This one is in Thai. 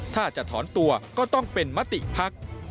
ถ้าจะถอนตัวก็ต้องเป็นมติภักดิ์